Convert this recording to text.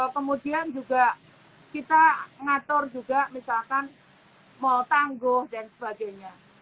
kemudian juga kita ngatur juga misalkan mall tangguh dan sebagainya